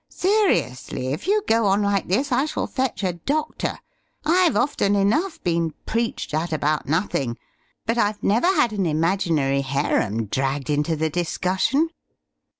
Seriously, if you go on like this I shall fetch a doctor; I've often enough been preached at about nothing, but I've never had an imaginary harem dragged into the discussion."